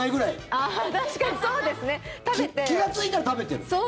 気がついたら食べてる。